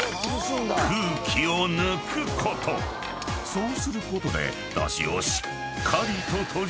［そうすることで］